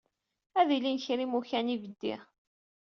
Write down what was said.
Ad ilin kan yimukan n yibeddi.